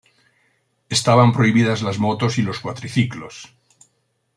Están prohibidas las Motos y los Cuatriciclos.